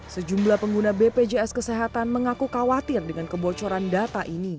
sejumlah pengguna bpjs kesehatan mengaku khawatir dengan kebocoran data ini